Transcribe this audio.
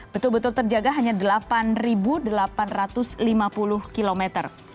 betul betul terjaga hanya delapan delapan ratus lima puluh kilometer